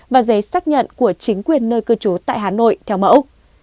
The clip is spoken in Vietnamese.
và giấy xác nhận của chính quyền nơi cư trú tại hà nội theo mẫu